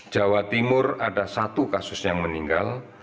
jawa timur ada satu kasus yang meninggal